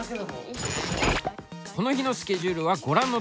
この日のスケジュールはご覧のとおり。